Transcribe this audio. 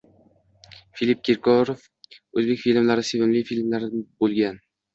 Filipp Kirkorov: “O‘zbek filmlari sevimli filmlarim bo‘lgan”